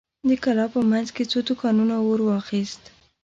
د کلا په مينځ کې څو دوکانونو اور واخيست.